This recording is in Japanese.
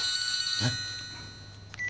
えっ？